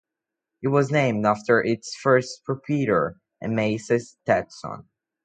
It was named after its first proprietor, Amasa Stetson.